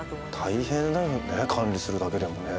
大変だよね管理するだけでもね。